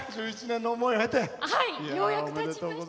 １１年の思いを経て。